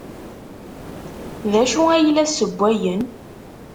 D acu ay la ssewwayen?